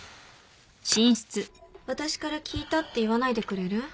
私から聞いたって言わないでくれる？